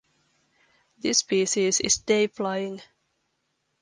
This species is day flying.